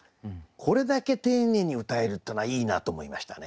これだけ丁寧にうたえるっていうのはいいなと思いましたね。